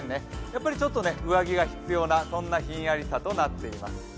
やっぱりちょっと上着が必要なそんなひんやりさとなっています。